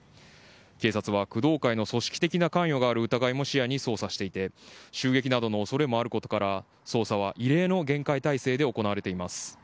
警察は工藤会の組織的な関与がある疑いも視野に捜査していて襲撃などの恐れもあることから捜査は異例の厳戒態勢で行われています。